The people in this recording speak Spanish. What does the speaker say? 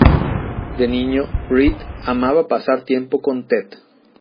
De niño, Reed amaba pasar tiempo con Ted.